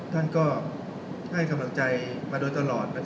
ท่านก็ให้กำลังใจมาโดยตลอด